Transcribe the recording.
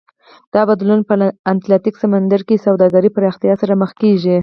دا بدلون په اتلانتیک سمندر کې سوداګرۍ پراختیا سره مخ کېږي.